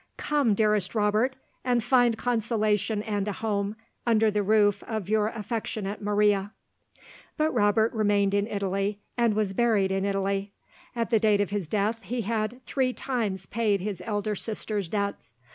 "Come, dearest Robert, and find consolation and a home, under the roof of your affectionate Maria." But Robert remained in Italy, and was buried in Italy. At the date of his death, he had three times paid his elder sister's debts.